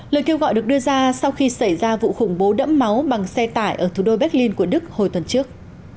lời kêu gọi được đưa ra sau khi xảy ra vụ khủng bố đẫm máu bằng xe tải ở thủ đô berlin của đức hồi tuần trước